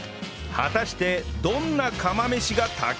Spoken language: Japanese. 果たしてどんな釜飯が炊き上がるのか？